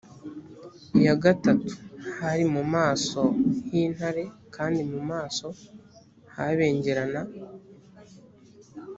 iya gatatu hari mu maso h intare kandi mu maso habengerana